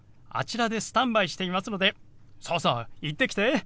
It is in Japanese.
あちらでスタンバイしていますのでさあさあ行ってきて！